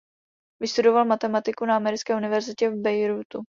Vystudoval matematiku na Americké univerzitě v Bejrútu.